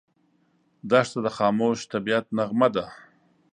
دښته د خاموش طبعیت نغمه ده.